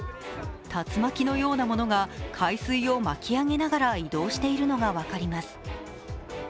竜巻のようなものが海水を巻き上げながら移動しているのが分かります。